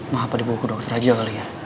mau apa di buku dokter aja kali ya